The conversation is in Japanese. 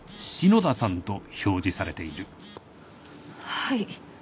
はい。